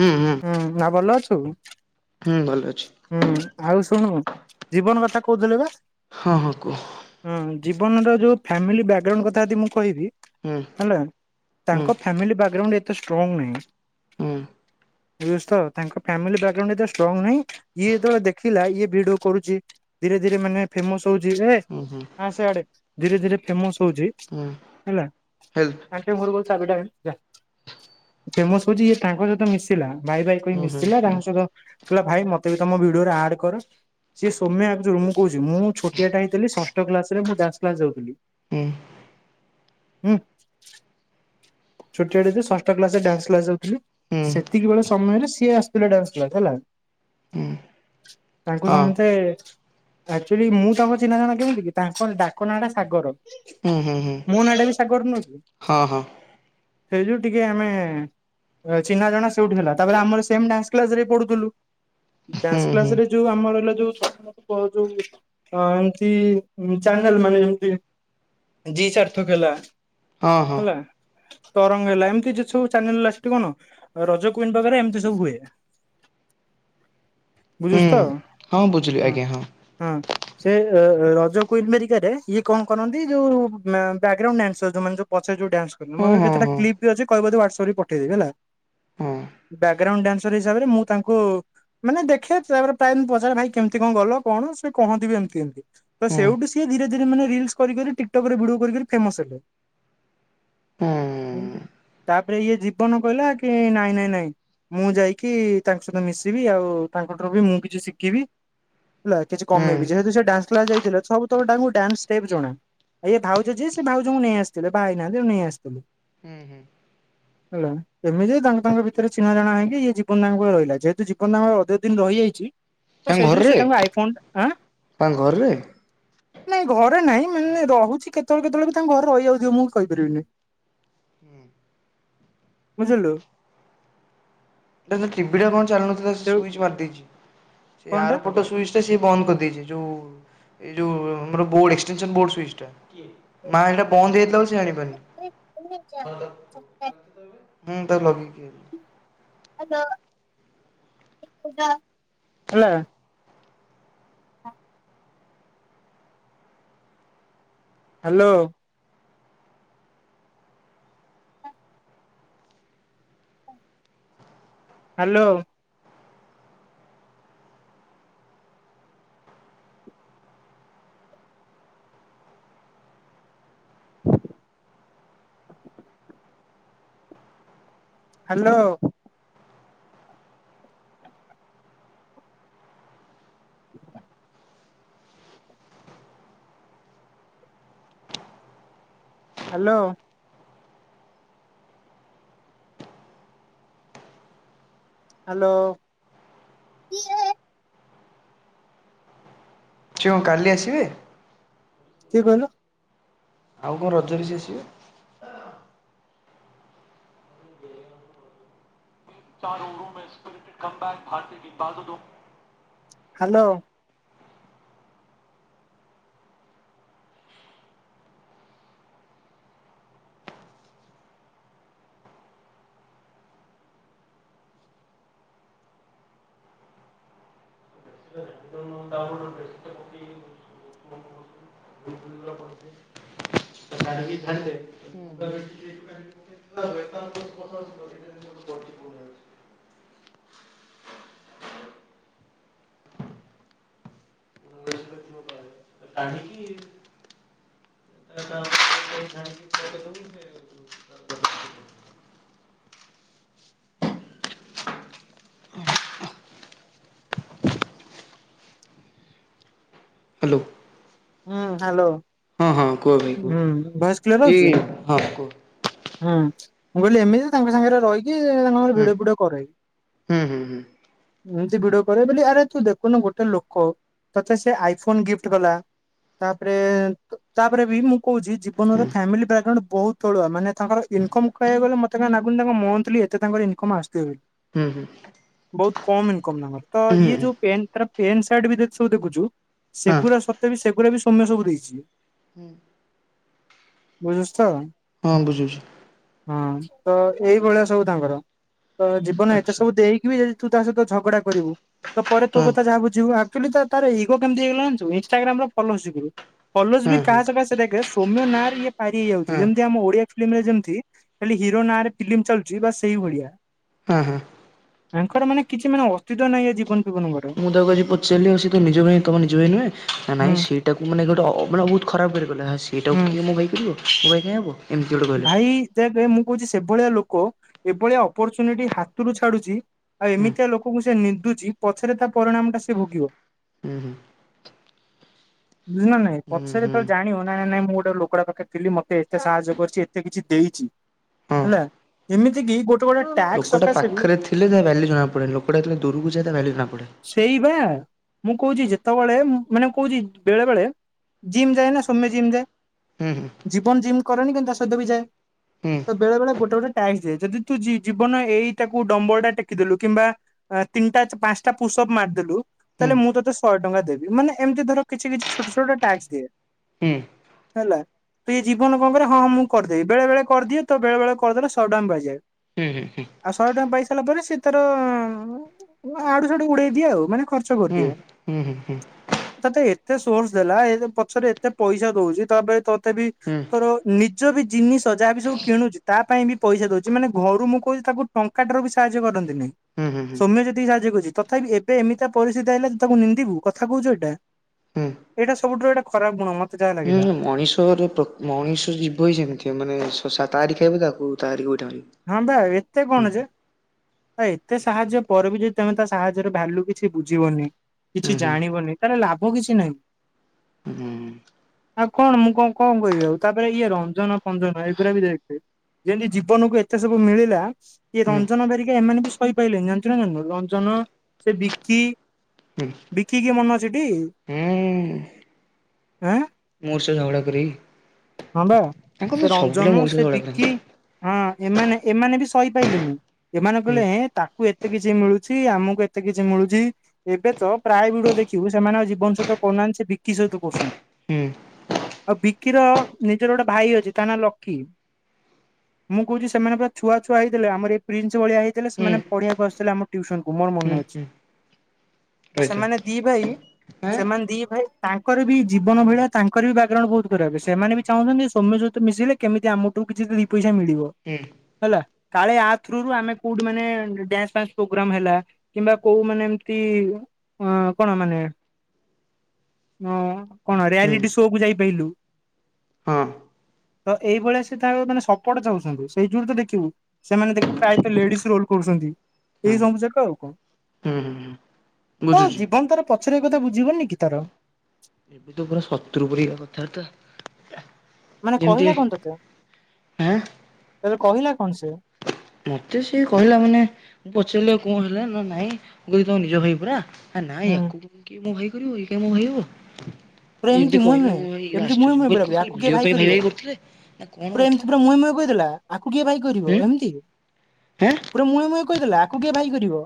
ହୁଁ ହୁଁ। ହୁଁ ନା ଭଲ ଅଛୁ? ହୁଁ ଭଲ ଅଛି। ହୁଁ ଆଉ ଶୁଣୁ ଜୀବନ କଥା କହୁଥିଲେ ବା? ହଁ ହଁ କୁହ। ହଁ ଜୀବନର ଯୋଉ ଫାମିଲି ବ୍ୟାକଗ୍ରାଉଣ୍ଡ କଥା ଯଦି ମୁଁ କହିବି ହୁଁ ହେଲା ହୁଁ ତାଙ୍କ ଫାମିଲି ବ୍ୟାକଗ୍ରାଉଣ୍ଡ ଏତେ ଷ୍ଟ୍ରଙ୍ଗ ନାହିଁ। ହୁଁ। ବୁଝିପାରୁଚୁ ତ ତାଙ୍କ ଫାମିଲ ବ୍ୟାକଗ୍ରାଉଣ୍ଡ ଏତେ ଷ୍ଟ୍ରଙ୍ଗ ନାହିଁ। ଇଏ ଯେତେବେଳେ ଦେଖିଲା ଇଏ ଭିଡି କରୁଚି ଧୀରେ ଧୀରେ ମାନେ ଫେମସ ହଉଚି ଏ ହୁଁ ହୁଁ। ସେଆଡେ ଧୀରେ ଧୀରେ ଫେମସ ହଉଚି ହେଲା ହେଲ୍ପ ଫେମସ ହଉଚି ଇଏ ତାଙ୍କ ସହିତ ମିଶି ଲା ଭାଇ ଭାଇ କହି ହୁଁ ହୁଁ ମିଶିଲା ହୁଁ ତାଙ୍କ ସହିତ କଲା ଭାଇ ମତେ ମତେ ବି ତମ ଭିଡିରେ ଆଡ କର। ସିଏ ସୋମ୍ୟା ଆଗ ମୁଁ କହୁଚି ମୁଁ ଛୋ ଟିଆ ଟା ହେଇଥିଲି ଷଷ୍ଟ କ୍ଲାସରେ ମୁଁ ଡନ୍ସ କ୍ଲାସ ଯଉଥିଲି। ଉଁ। ହୁଁ। ଛୋଟିଆଟେ ହେଇଥିଲି ଷଷ୍ଠ କ୍ଲାସ ରେ ଡ୍ୟାନ୍ସ କ୍ଲାସ ଯାଉଥିଲି ହୁଁ ସେ ସେତିକି ବେଳେ ସମୟରେ ସିଏ ଆସଥିଲା ଡାନ୍ସ କ୍ଲାସ ହେଲା ହୁଁ ତାଙ୍କୁ ହଁ ସମସ୍ତେ ଆକ୍ଚୁଆଲି ମୁଁ ତାଙ୍କ ଚିହ୍ନା ଜଣ କେମତି କି ତାଙ୍କ ଡକ ନାଁ ଟା ସାଗର। ହୁଁ ହୁଁ ହୁଁ ମୋ ନାଁ ଟା ବି ସାଗର ନୁହଁ କି ହଁ ହଁ। ସେଇ ଯେଉ ଟିକେ ଆମେ ଏ ଚିହ୍ନା ଜଣା ସେଇଠୁ ହେଲା ତାପରେ ଆମର ସେମ୍ ଡାନ୍ସ କ୍ଲାସ ରେ ପଢୁଥୁଲୁ। ଡାନ୍ସ ହୁଁ ହୁଁ ହଁ କ୍ଲାସରେ ଯୋଉ ଆମର ରହିଲା ଯୋଉ କ ଯୋଉ ଏମତି ଚାନେଲ ମାନେ ଏମିତି ଜି ସାର୍ଥକ ହେଲା ହଁ ହେଲା ତରଙ୍ଗ ହେଲା ଏମିତି ଯେ ସବୁ ଚାନେଲ ଲା ସେଠି କଣ ରଜ କୁଇନ ପାଖରେ ଏମିତି ସବୁ ହୁଏ। ହୁଁ ବୁଝୁଛୁ ତ ହଁ ବୁଝିଲି ଆଜ୍ଞା ହଁ। ହଁ। ସେ ରଜ କୁଇନ ମେରିକାରେ ଇଏ କଣ କରନ୍ତି ଯୋଉ ମା ବ୍ୟାଗରାଉଣ୍ଡ ଡ୍ୟାନ୍ସର ଯୋଉମାନେ ଯୋଉ ପଛରେ ଯୋଉ ଡାନ୍ସ କନି ମୋ ପାଖରେ ହଁ କେତଟା ହଁ ହଁ କ୍ଲିପ ବି ଅଛି କହିବ ଯଦି ହ୍ୱାଟ୍ସଆପ ରେ ବି ପଠେଇଦବି ହେଲା। ବ୍ୟା ଗ୍ରାଉଣ୍ଡ ଡ୍ୟାନସର ହିସାବରେ ମୁଁ ତାଙ୍କୁ ମାନେ ଦେଖେ ତାପରେ ପ୍ରାୟ ଦିନ ପଚାର ଭାଇ କେମିତି କଣ ଗଲ କଣ ସେ କହନ୍ତିିବି ଏମତି ଏମତି। ତ ହଁ ହୁଁ ସେଇଠୁ ସିଏ ଧୀରେ ଧୀରେ ମାନେ ରିଲସ କରିିକରି ଟିକଟକରେ ଭିଡିଓ କରି କରି ଫେମସ ହେଲେ। ହଁ। ତାପରେ ଇଏ ଯିବନି କହିଲା କି ନାଇଁ ନାଇଁ ନାଇଁ ମୁଁ ଯାଇକି ତାଙ୍କ ସହିତ ମିଶିବି ଆଉ ତାଙ୍କଠାରୁ ବି ମୁଁ କିଛି ଶିଖିବି। ହେଲା କିଛି ହୁଁ କମେଇବି ହୁଁ ଯେହେତୁ ସେ ଡାନ୍ସ କ୍ଲାସ ଯାଇଥିଲେ ସବୁ ତକ ଡାଙ୍କୁ ଡାନ୍ସ ଷ୍ଟେପ୍ ଜଣା ଆ ଇଏ ଭାଉଜ ଯିଏ ସେ ଭାଉଙ୍କୁ ନେଇ ଆସିଥିଲେ ବାହା ହେଇନାହାନ୍ତି। ନେଇ ଆସିଥିଲୁ। ହୁଁ ହୁଁ [inaudible] ହେଲା ଏମିତି ତାଙ୍କ ଭିତରେ ଚିହ୍ନା ଜଣା ହେଇଁକି ଇ ଜୀବନ ଦଙ୍କ ରହିଲା। ଯେହେତୁ ଜୀବନ ତାଙ୍ଗର ଅଧିକ ଦିନ ରହିଯାଇଛି ତ ତାଙ୍କ ସେଇ ଯୁ ଘରରେ ସେ ତମକୁ ଆଇଫୋନ ଆଁ ତାଙ୍କ ଘରରେ ନାଇଁ ଘରେ ନାଇଁ ମାନେ ରହୁଛି କେତେବେଳେ କେତେବେଳ ବି ତାଙ୍କ ଘରେ ରହିଯାଉଥିବ। ମୁଁ କହିପାରିବି ହୁଁ ବୁଝିଲୁ? ଟିଭି ଟା କଣ ଚାଲୁନଥିଲା ସେ ସୁଇଚ ମାରିଦେଇଛି। ସେ କଣଟା ଆରଟ ସୁଇଚ‌ ବନ୍ଦ କରି ଦେଇଛି ମୁଁ ବୋଡ଼ ଏକ୍ସଟେନସନ ବୋଡ଼ ସୁଇଚ ଟା। ମାଇା ବନ୍ଦ [unintelligible] [unintelligible] [unintelligible] [unintelligible] ହଲ ହେଲା hello hello hello [inaudible] hello hello [unintelligible] କାଲି ଆସିବେ? କିିଏ କହିଲ? ଆଉ କଣ ରଜ? [unintelligible] [unintelligible] [unintelligible] [unintelligible] ହ୍ୟାଲୋ [unintelligible] ବ [unintelligible] [unintelligible] [unintelligible] [unintelligible] ହ୍ୟାଲୋ ହୁଁ ହ୍ୟାଲୋ ହଁ କୁହ ଭାଇ କୁହ, ହୁଁ ଭଏସ କ୍ଲିୟର ହଉଛି ହଁ କୁହ। ହୁଁ ମୁଁ କହିଲି ଏମିତି ତାଙ୍କ ସାଙ୍ଗରେ ରହିକି ତାଙ୍କର ହୁଁ ଭିଡିଓ ଫିଡିଓ କରେ, ହୁଁ ହୁଁ ହୁଁ ଏମିତି ଭିଡ କରେ ବୋଲି ଆରେ ତୁ ଦେଖୁନୁ ଗୋଟେ ଲୋକ ତତେ ସେ ଆଇଫୋନ ଗିଫ୍ଟ କଲା। ତାପରେ ତାପରେ ବି ମୁଁ କହୁଛି ହୁଁ ଜୀବନରେ ଫାମିଲିା [unintelligible] ବହୁତ ତଳୁଆ ମାନେ ତାଙ୍କର ଇନକମ୍ କହିବାକୁ ଗଲେ ମତେ କାହିଁ ଲାଗୁନି ତାଙ୍କ ମନ୍ଥଲି ଏତେ ତାଙ୍କ ଇନକମ୍ ଆସୁଥିବ ବୋଲି? ହୁଁ ହୁଁ ବହୁତ କମ ଇନକମ ତାଙ୍କର। ତ ଇଏ ହୁଁ ଯୋଉ ପେନଟାର ପେଣ୍ଟ ସାର୍ଟ ବି ଜଦି ସବୁ ଦେଖୁଛୁ ହଁ ସେଗୁରା ସତ ବି ସେଗୁରା ବି ସୋମ୍ୟ ସବୁ ଦେଇଛି। ବୁଝୁଚୁ ତ? ହଁ ବୁଝୁଚି ହଁ ତ ଏଇଭଳିଆ ସବୁ ତାଙ୍କର। ତ ଜୀବନରେ ଏତେ ଆଚ୍ଛା ସବୁ ଦେଇକି ବି ଯଦି ତୁ ତା ସହିତ ଝଗଡା କରିବୁ ତ ପରେ ତୋ ହଁ କଥା ଯାହା ବୁଝିବ ଆନ୍ତୁ ତା ତାର ଇଗୋ କେମିତି ହେଇଗଲା ଜାଣିଚୁ ଇନ୍ଷ୍ଟାଗ୍ରାମର ଫଲୋଜ ଯୋଗୁରୁ ଫଲୋଜ ହଁ ବି ହଁ ତୁ ଭଲସେ ଦେଖେ ସୋମ୍ୟ ନାରେ ଇଏ ପାରିହେଇଯାଉଛି ହଁ ଯେମିତି ଆମ ଓଡିଆ ଫିଲ୍ମ ରେ ଯେମିତି ଖାଲି ହିରୋ ନାଁ ରେ ଫିଲ୍ମ ଚାଲୁଚି ବାସ ସେଇଭଳିଆ। ଅଁ ହଁ। ଆଙ୍କର ମାନେ କିଛି ମାନେ ଅସ୍ତିତ୍ୱ ନାଇଁ ଏ ଜି [unintelligible] ମୁଁ ତାକୁ ଆଜି ପଚାରିଲି ଆଉ ସିଏ ତୋ ନିଜ ଭାଇ ତମ ନିଜ ଭାଇ ନୁହେଁ ନା ହୁଁ ନାଇଁ ସିଏ ତାକୁ ମାନେ ଗୋଟେ ଅ ମାନେ ବହୁତ ଖରାପ ୱେରେ କଇଲା ହୁଁ ସେଇଟାକୁ କିଏ ମୋ ଭାଇ କରିବ ମୋ ଭାଇ କାଁଇ ହବ। ଏମିତି ଗୋଟେ କହିଲେ ଭାଇ ଦେଖେ ମୁଁ କହୁଛି ସେଭଳିଆ ଲୋକ ଏଭଳିଆ ଅପରଚୁନିଟି ହାତରୁ ଛାଡୁଛି ଆଉ ହୁଁ ଏମିତିଆ ଲୋକଙ୍କୁ ସେ ନିନ୍ଦୁଛି ପଛରେ ତା ପରିଣାମ ଟା ସେ ଭୋଗିବ। ହୁଁ ହୁଁ। ବୁଝିଲ ନା ନାଇଁ ହୁଁ ହୁଁ ପଛରେ ହୁଁ ଯେତଳେ ଜାଣିବ ନାଇଁ ନାଇଁ ନାଇଁ ମୁଁ ଗୋଟେ ଲୋ ଲୋକ ଟା ପାଖରେ ଥିଲି ମତେ ଏତେ ସାହାଯ୍ୟ କରିଚି ଏତେ କିଛି ଦେଇଚି ହଁ ହେଲା ଏମିତି କି ଗୋ ଲୋକଟା ପାଖରେ ଥିଲେ ତା ଭ୍ୟାଲୁ ଜଣାପଡ଼େନି ଲୋକଟା ଯେତେବେଳେ ଦୂରୁକୁ ଯାଏ ତା ଭ୍ୟାଲୁ ଜଣାପଡ଼େ। ସେଇପା ମୁଁ କଉଚି ଯେତେବେଳେ ମାନେ କଉଚି ବେଳେ ବେଳେ। ଜିମ୍ ଯାଏ ନା ସୋମ୍ୟ ଜିମ୍ ଯାଏ। ହୁଁ ହୁଁ। ଜୀବନ ଜିମ୍ କରେନି କିନ୍ତୁ ତା ସହିତ ବି ଯାଏ। ହୁଁ। ବେଳେ ବେଳେ ଗୋଟେ ଗୋଟେ ଟାକ୍ସ ଦଏ ଯଦି ତୁ ଜୀ ଜୀବନ ଏଇଟାକୁ ଡମ୍ବଲଟା ଟେକିଦେଲୁ କିମ୍ବା ଅ ତିନିଟା ଚ ମ୍ପାସଟା ପୁସଅପ୍ ମାରଦେଲୁ ତାହେଲେ ମୁଁ ତୋତେ ଶଏ ଟଙ୍କା ଦେବି ମାନେ ଏମତି ଧର କିଛି କିଛି ଛୋଟ ଛୋଟ ଟାକ୍ସ ଦିଏ ହୁଁ [inaudible] ହେଲା ତ ଏଇ ଜୀବନ କଁ କରେ ହଁ ହଁ ମୁଁ କରଦେବି ବେଳେ ବେଳେ କରିଦିଏ ତ ବେଳେ ବେଳେ କରିଦେଲେ ସଏଟଙ୍କା ପାଇଯାଏ। ଉଁ ହୁଁ। ଆଉ ଶଏ ଟଙ୍କା ପାଇସାଇଲା ପରେ ସେ ତାର ଆଡୁ ସାଡୁ ଉଡେଇଦିଏ ଆଉ ମାନେ ଖର୍ଚ୍ଚ କରିଦିଏ। ଉଁ ହୁଁ ହୁଁ। ତତେ ଏତେ ସୋର୍ସ ଦେଲା ଏ ତ ପଛରେ ଏତେ ପଇସା ଦଉଚି ତା ପରେ ତତେ ବି ହୁଁ ହୁଁ ତାର ନିଜ ବି ଜିନିଷ ଯାହା ବିି ସବୁ କିଣୁଚୁ ତା ପାଇଁ ବି ପଇସା ଦଉଚି ମାନେ ଘରୁ ମୁଁ କହୁଚି ତାକୁ ଟଙ୍କାଟା ର ବି ସାହାଯ୍ୟ କରନ୍ତି ନି। ଉୁଁ ହୁଁ ହୁଁ ସୋମ୍ୟ ଯେତିକି ସାହାଯ୍ୟ କରୁଚି ତଥାପି ଏବେ ଏମିତି ତା ପରିସ୍ଥିତି ଆଇିଲାଣି ତାକୁ ନିିନ୍ଦିବୁ କଥା କଉଚୁ ଏଇଟା। ହୁଁ। ଏଇଟା ସବୁଠୁରୁ ଏଟା ଖରାପ ଗୁଣ ମ ହୁଁ ମଣିଷରେ ପ୍ର ମଣିଷ ଯିବ ହି ସେମିତିଆ ମାନେ ଶ ସା ତାରି ଖାଇବ ତାକୁ ତାରି ଗୋଇଠାମାରିବ। ହଁ ବା ଏତେ କଣ ଜେ। ଆ ଏତେ ସାହାଯ୍ୟ ପରେ ବି ଯଦି ତମେ ତା ସାହାଯ୍ୟର ଭାଲ୍ୟୁ କିଛି ବୁଝିବନି। ହୁଁ କିଛି ହୁଁ ଜାଣିବନି ତାଲେ ଲାଭ କିଛି ନାହିଁ। ହୁଁ ହୁଁ ହୁଁ ଆଉ କଣ ମୁଁ କଁ କଁ କହିବି ଆଉ ତାପରେ ଇଏ ରଞ୍ଜନ ଫଞ୍ଜନ ଏଗୁରାବି ଦେଖେ ଯେମତି ଜୀବନକୁ ଏତେ ସବୁ ମିଳିଲା ଇଏ ହୁଁ ହୁଁ। ରଞ୍ଜନ ହେରିକା ଏମାନେ ବି ସ କହିପାଇଲେନି ଜାଣିଚୁ ନା ଜାଣିନୁ ରଞ୍ଜନ ସେ ବିକି ବିକି କିଏ ମନେ ଅଛି ଟି [inaudible] ଆଁ ମୋର ସହ ଝଗଡ଼ା କରେକି ହଁ ବା ତାଙ୍କର ତ ସେ ସବୁ ପିଲା ରଞ୍ଜନ ମୋର ସହ ସେ ଝଗଡ଼ା ବିକି। କରନ୍ତି। ହଁ ଏମାନେ ଏମାନେ ବି ସହିପାଇଲେନି ଏମାନେ ହୁଁ କହିଲେ ହେ ତାକୁ ଏ ଏତେ କିଛି ମିଳୁଛି ଆମକୁ ଏତେ କିଛି ମିଳୁଛି। ଏବେ ତ ପ୍ରାୟମ ଦେଖିବୁ ସେମାନେ ଆଉ ଜୀବନ ସହିତ କରୁନାହାନ୍ତି ସେ ଭିକି ସହିତ କରୁଛନ୍ତି। ହୁଁ ଆଉ ବିକିର ନିଜର ଗୋଟେ ଭାଇ ଅଛି ତା ନା ଲକି। ମୁଁ କହୁଛି ସେମାନେ ପୁରାଛୁଆ ଛୁଆ ହେଇଥିଲେ ଆମର ଏଇ ପ୍ରିନ୍ସ ଭଳିଆ ହେଇଥିଲେ ହୁଁ ସେମାନେ ପଢିବାକୁ ଆଶୁଥିଲେ ଆମ ଟିଉସନ କୁ ମୋର ହୁଁ ମନେ ଅଛି। ହୁଁ ତ ରହିଥା ସେମାନେ ଦି ଭାଇ ଆଁ ସେମାନେ ଦି ଭାଇ ତାଙ୍କର ବି ନା ଜୀବନ ବୋଧେ ଭଳିଆ ତାଙ୍କ କରିବି ବ୍ୟାଗ୍ରାଉଣ୍ଡ ବହୁତ ଖରାପ। ସେମାନେ ବି ଚାହୁଁଛନ୍ତି ସୋମ୍ୟ ସହିତ ମିଶିଲେ କେମିତି ଆମଠୁ କିଛି ଦି ପଇସା ମିଳିବ। ହୁଁ। ହେଲା କାଳେ ଆ ଥ୍ରୁରୁ ଆମେ କୋଉଠି ମାନେ ଡାନ୍ସ ଫ୍ୟାନ୍ଶ୍ ପ୍ରୋଗ୍ରମ୍ ହେଲା। କିମ୍ବା କୋଉ ମାନେ ଏମତି ଅ କଣ ମାନେ ହଁ କଣ ହୁଁ ରିୟାଲିଟି ଶୋ କୁ ଯାଇପାରିଲୁ। ହଁ ତ ଏଇଭଳିଆ ସେ ତାଙ୍କ ମାନେ ସପୋଟ ଚାହୁଁଛନ୍ତି। ସେଇ ଯୁରୁ ତ ଦେଖିବୁ ସେମାନେ ଦେଖିବୁ ପ୍ରାୟତଃ ଲେଡିସ୍ ରୋଲ କରୁଛନ୍ତି। ଏଇ ହୁଁ। ସବୁ ଯାକ ଆଉ କଣ। ହୁଁ ହୁଁ ହୁଁ ହଁ ବୁଝୁଛି। ଜୀବନ ତାର ପଛରେ ଏ କଥା ବୁଝିବନି କି ତାର। ଏ ତ ପୁରା ଶତ୍ରୁ ପରିକା କଥାବାର୍ତ୍ତା। ମାନେ ଯେମିତି କହିଲା କଣ ତୋତେ ଆଁ ତତେ କହିଲା କଣ ସେ? ମତେ ସିଏ କହିଲା ମାନେ ମୁଁ ପଚାରିଲି ଆଉ କଣ ହେଲା ନା ନାଇଁ ମୁ କହିଲି ତମ ନିଜ ଭାଇ ପରା। ଆ ନାଇ ହୁଁ ଆକୁ କିଏ ମୋ ଭାଇ କରିବ ଇଏ କାଇଁ ମୋ ଭାଇ ହବ। ପୁରା ଏମିତି ମୁହେଁ କହିଲା ମୁହେଁ ମୁଁ ଭାଇ ଏମିତି ମୁହେଁ ଆଶ୍ଚର୍ଯ୍ୟ। ମୁଁ ମୁହେଁ କହିଲି ପୁରାପୁରି କଣ ଖାଲି ଆକୁ କିଏ ବୁଲିବା ପାଇଁ ଭାଇ କରିବ ଭାଇ କରୁଥିଲେ ନା କଣ ପୁରା ଏମିତି କଥା। ପୁରା ମୁହେଁ ମୁହେଁ କହିଦେଲା ଆକୁ କିଏ ଭାଇ କରିବ ଉଁ ଏମିତି ଆଁ ପୁରା ମୁହେଁ ମୁହେଁ କହିଦେଲା ଆକୁ କିଏ ଭାଇ କରିବ?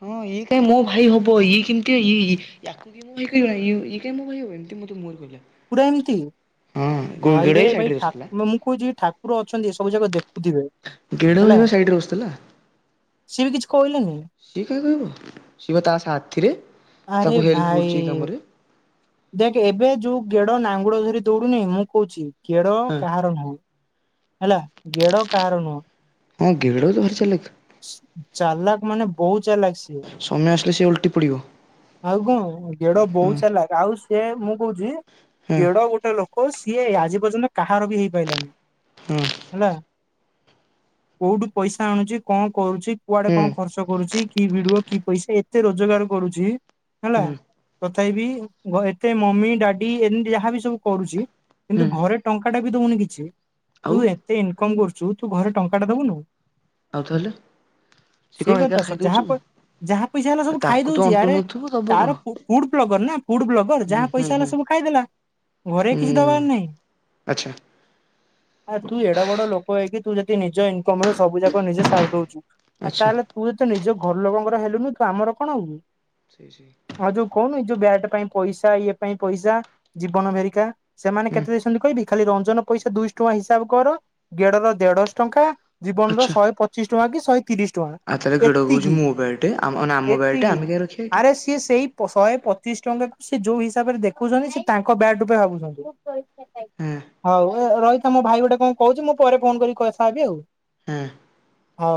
ହଁ ଇଏ କାଇ ମୋ ଭାଇ ହବ। ଇଏ କେମତିଆ ଇଏ ଇଏ ୟା କୁ କିଏ ମୋ ଭାଇ କରିବ ଇଏ କଁ ଇ ମୋ ଭାଇ ହବ ଏମିତି ମତେ ମୁହଁରେ କହିଲା। ପୁରା ଏମିତି ହଁ ଗୋ ଗେଡା ଭାଇରେ ସାଇଡରେ ଭାଇ ବସିଥିଲା ଠାକୁର ମୁଁ କହୁଛି ଠା କୁର ଅଛନ୍ତି ସବୁ ଯାଗ ଦେଖୁଥିବେ। ଗେଡୁ ହେଲା। ଭାଇ ବା ସାଇଟରେ ବସିଥିଲା। ସିଏ ବି କିଛି କହିଲେନି। ସିଏ କାଇଁ କହିବ ଶିଏ ବା ତା ସାଥୀରେ। ଆରେ ଭାଇ ଦେଖ ଏବେ ଯୋଉ ଗେଡ ନାଙ୍ଗୁଳ ଧରି ଦୌଡୁନି ମୁଁ କହୁଛି ଗେଡ ହଁ କାହାର ନୁହଁ। ହେଲା ଗେଡ କାହାର ନୁହଁ। ହଁ ଗେଡ଼ ତ ଭାରି ଚାଲାକ। ଚାଲାକ ମାନେ ବହୁତ ଚାଲାକ ସିଏ। ସମୟ ଆସିଲେ ସେ ଓଲ୍ଟି ପଡିବ। ଆଉ କଣ ଗେଡ ହୁଁ ବହୁତ ଚାଲାକ ଆଉ ସେ ମୁଁ କହୁଛି ହୁଁ ଗେଡ ଗୋଟେ ଲୋ କ ସିଏ ଆଜି ପର୍ଯ୍ୟନ୍ତ କାହାର ବି ହେଇପାରିଲାନି। ହୁଁ। ହେଲା କୋଉଠି ପଇସା ଆଣୁଛି କଣ କରୁଛି କୁଆଡେ ହୁଁ କଣ ଖର୍ଚ୍ଚ ଟ କରୁଛି କି ଭିଡିଓ କି ପଇସା ଏତେ ରୋଜଗାର କରୁଛି ହେଲା ହୁଁ ତଥାବିି ଘ ଏତେ ମମି ଡାଡି ଏମିତି ଯାହାବି ସବୁ କରୁଛି। ହୁଁ କିନ୍ତୁ ଘରେ ଟଙ୍କା ଟା ବି ଦୋଉନି କିଛି। ଆଉ ତୁ ଏତେ ଇନକମ କରୁଛୁ ତୁ ଘରେ ଟଙ୍କା ଟା ଦବୁନୁ। ଆଉ ତାହେଲେ ସିଏ ସେଇ କଣ ଏକା କଥା ଖାଇଦୋଉଛି ଯାହା ସବୁ ଯାହା ପଇସା ହେଲା ଏ ସବୁ ଆଉ ଖାଇ ତାକୁ ତ ଦଉଛି ଅଣ୍ଟୁ ଆରେ ନଥିବ। ତାର ଫୁ ଫୁଡ ବ୍ଲଗର ନା ଫୁଡ ବ୍ଲଗର ହୁଁ ଯାହା ହୁଁ ପଇସା ହେଲା ହୁଁ ସବୁ ଖାଇଦେଲା। ଘରେ କିଛି ହୁଁ ଦବାର ନାହିଁ। ଆଚ୍ଛା। ଆ ତୁ ଏଡ ବଡ ଲୋକ ହେଇକି ତୁ ଯଦି ନିଜ ଇନକମ ରେ ସବୁ ଯାକ ନିଜେ ସାରି ଦଉଛୁ। ତା, ଆଚ୍ଛା ହେଲେ ତୁ ତ ନିଜ ଘର ଲୋକଙ୍କର ହେଲୁନି? ତୁ ଆମର କଣ ହବୁ? ସି ସି। ଆଉ ଯୋଉ କହୁନି ଏ ଯୋଉ ବ୍ୟାଟ୍ ପାଇଁ ପଇସା, ଇଏ ପାଇଁ ପଇସା, ଜୀବନ ଭେରିକା, ସେମାନେ ହୁଁ କେତେ ଦେଇସ ଖାଲି କହିବି, ଖାଲି ରଞ୍ଜନ ପଇସା ଦୁଇଶ ଟଙ୍କା ହିସାବ କର, ଗେଡର ଦେଢଶ ଟଙ୍କା ଜୀବନ ର ଆଚ୍ଛା ଶହେ ପଚିଶ ଟଆଁ କି, ଶହେ ତିରିଶ ଟଆଁ ଆଉ ତା, ହେଲେ ଗେଡ କହୁଛି, ମୋ ବ୍ୟାଟେ! ଆ-ଆମ ବ୍ୟାଟେ ଏତିକି ଆମେ କାହିଁ ରଖିବା ଏଠି? ଆରେ ସିଏ ସେଇ ଶହେ ପଚିଶ୍ ଟଙ୍କା କୁ ସେ ଯୋଉ ହିସାବରେ ଦେଖୁଛନ୍ତି, ସେ ତାଙ୍କ ବ୍ୟାଟ୍ ରୂପେ ଭାବୁଛନ୍ତି। ହଁ ହଉ, ଏ ରହିଥା ମୋ ଭାଇ ଗୋଟେ କଣ କହୁଛି? ମୁଁ ପରେ ଫୋନ୍ କରିକି କଥା ହେବି ଆଉ। ହଁ। ହଉ।